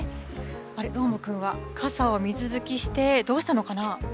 あれ、どーもくんは傘を水拭きして、どうしたのかな。